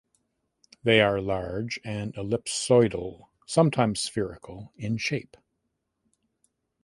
They are large and ellipsoidal (sometimes spherical) in shape.